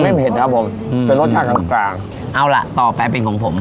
เผ็ดครับผมอืมแต่รสชาติกลางกลางเอาล่ะต่อไปเป็นของผม